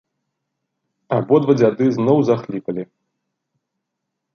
Абодва дзяды зноў захліпалі.